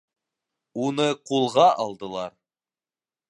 - Уны ҡулға алдылар!